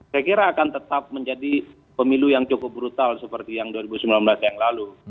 saya kira akan tetap menjadi pemilu yang cukup brutal seperti yang dua ribu sembilan belas yang lalu